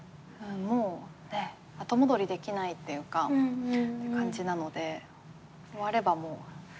もう後戻りできないっていうか感じなので終わればもう。